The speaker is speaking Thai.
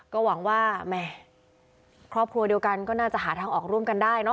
ก็หวังว่าแหมครอบครัวเดียวกันก็น่าจะหาทางออกร่วมกันได้เนอ